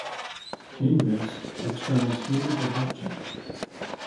In this external schema does not change.